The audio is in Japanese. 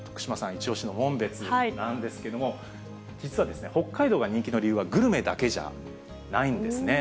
一押しの紋別なんですけれども、実は北海道が人気の理由はグルメだけじゃないんですね。